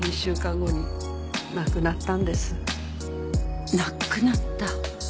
亡くなった。